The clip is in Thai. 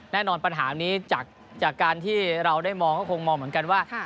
แน่นอนปัญหานี้จากการที่เราได้มองก็คงมองเหมือนกันว่า